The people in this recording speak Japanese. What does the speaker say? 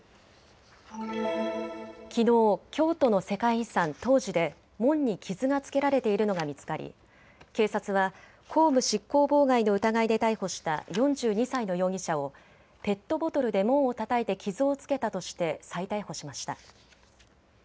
きのう京都の世界遺産、東寺で門に傷が付けられているのが見つかり警察は公務執行妨害の疑いで逮捕した４２歳の容疑者をペットボトルで門をたたいて傷を付けたとして再逮捕しました。